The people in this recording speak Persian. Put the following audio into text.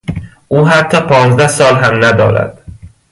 او حتی پانزده سال هم ندارد.